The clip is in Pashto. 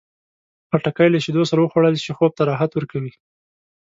خټکی له شیدو سره وخوړل شي، خوب ته راحت ورکوي.